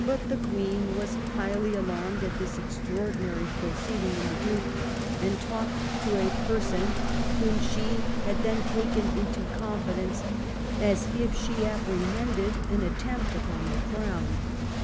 But the Queen was highly alarmed at this extraordinary proceeding in the Duke, and talked to a person whom she had then taken into confidence as if she apprehended an attempt upon the crown.